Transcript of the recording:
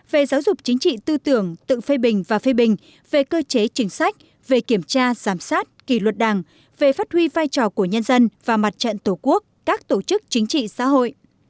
về giáo dục chính trị tư tưởng tự phê bình và phê bình về cơ chế chính sách về kiểm tra giám sát kỳ luật đảng về phát huy vai trò của nhân dân và mặt trận tổ quốc các tổ chức chính trị xã hội